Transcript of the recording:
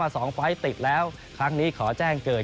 สองไฟล์ติดแล้วครั้งนี้ขอแจ้งเกิด